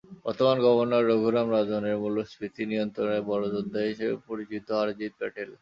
বর্তমান গভর্নর রঘুরাম রাজনের মূল্যস্ফীতি নিয়ন্ত্রণের বড় যোদ্ধা হিসেবে পরিচিত আরজিৎ প্যাটেল।